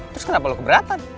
terus kenapa lu keberatan